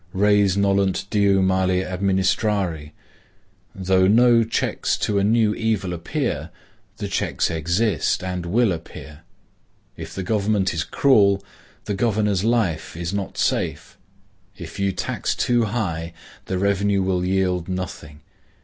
Res nolunt diu male administrari. Though no checks to a new evil appear, the checks exist, and will appear. If the government is cruel, the governor's life is not safe. If you tax too high, the revenue will yield nothing.